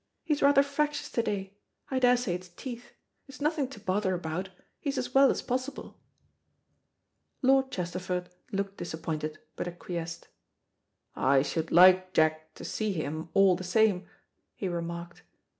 He's rather fractious to day. I daresay it's teeth. It's nothing to bother about; he's as well as possible." Lord Chesterford looked disappointed, but ac quiesced. "I should like Jack to see him all the same," he remarked.